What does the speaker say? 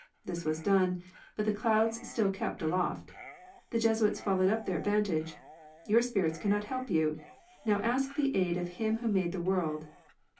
This was done, but the clouds still kept aloof. The Jesuits followed up their advantage. 'Your spirits cannot help you. Now ask the aid of Him who made the world."